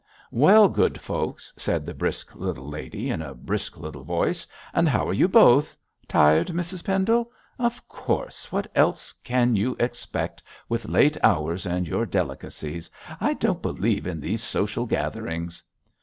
'Well, good folks,' said the brisk little lady in a brisk little voice, 'and how are you both? Tired, Mrs Pendle? Of course, what else can you expect with late hours and your delicacies. I don't believe in these social gatherings.'